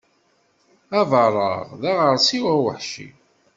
Abareɣ d aɣersiw aweḥci.